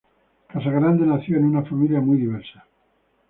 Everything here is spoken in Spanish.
Casagrande nació en una familia muy diversa.